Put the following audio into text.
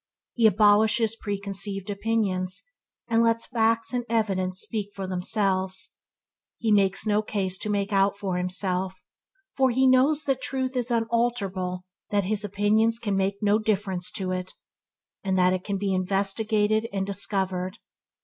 He abolishes preconceived opinions, and lets facts and evidence speak for themselves. He has no case to make out for himself, for he knows that truth is unalterable, that his opinions can make no difference to it, and that it can be investigated and discovered.